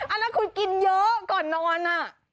อันนั้นคุณกินเยอะก่อนนอน